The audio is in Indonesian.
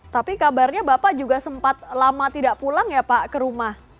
tapi kabarnya bapak juga sempat lama tidak pulang ya pak ke rumah